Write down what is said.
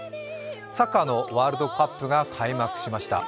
サッカーのワールドカップが開幕しました。